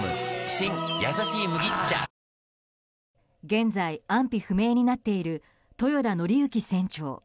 現在、安否不明になっている豊田徳幸船長。